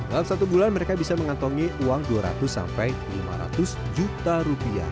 dalam satu bulan mereka bisa mengantongi uang dua ratus sampai lima ratus juta rupiah